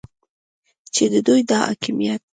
چې د دوی دا حاکمیت